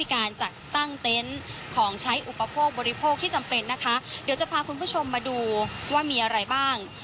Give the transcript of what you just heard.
การจัดตั้งเต็นต์ของใช้อุปโภคบริโภคที่จำเป็นนะคะเดี๋ยวจะพาคุณผู้ชมมาดูว่ามีอะไรบ้าง